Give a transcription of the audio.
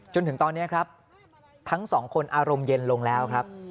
จนถึงตอนนี้ครับทั้งสองคนอารมณ์เย็นลงแล้วครับ